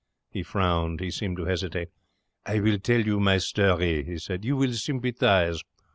He frowned. He seemed to hesitate. 'I will tell you my story,' he said. 'You will sympathize.